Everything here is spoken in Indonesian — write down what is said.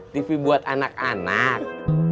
tv buat anak anak